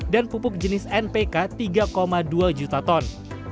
dan pupuk jenis npk tiga dua juta ton